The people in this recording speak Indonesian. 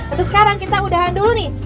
untuk sekarang kita udahan dulu nih